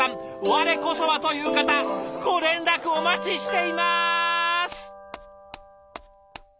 我こそは！という方ご連絡お待ちしています！